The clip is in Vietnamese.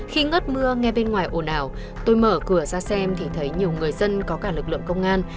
khi ngất mưa nghe bên ngoài ồn đảo tôi mở cửa ra xem thì thấy nhiều người dân có cả lực lượng công an